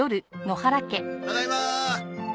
ただいま。